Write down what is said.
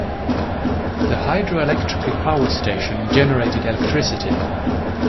The hydroelectric power station generated electricity.